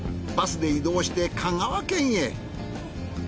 バスで移動して香川県へ。